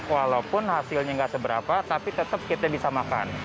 walaupun hasilnya nggak seberapa tapi tetap kita bisa makan